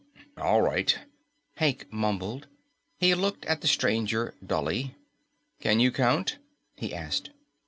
"All right," Hank mumbled. He looked at the stranger dully. "Can you count?" he asked.